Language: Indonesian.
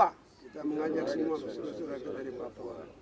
tanah sorga kita ini